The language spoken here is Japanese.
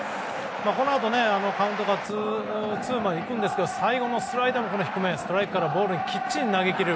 このあとカウントがツーまでいくんですけど最後のスライダーも低めストライクからボールにきっちりに投げ切れる。